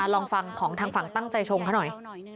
ลองฟังของทางฝั่งตั้งใจชงเขาหน่อย